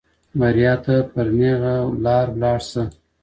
بریا ته په نېغه لاره لاړ شه.